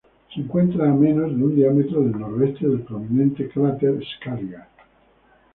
Se encuentra a menos de un diámetro al noroeste del prominente cráter Scaliger.